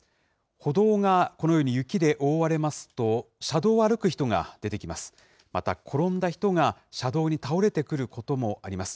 歩道がこのように雪で覆われますと、車道を歩く人が出てきます。